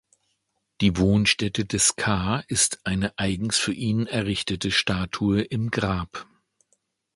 Die Wohnstätte des Ka ist eine eigens für ihn errichtete Statue im Grab.